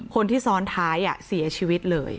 คนที่ซ้อนท้ายเสียชีวิตเลย